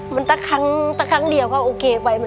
มันตั้งครั้งเดียวเขาโอเคไป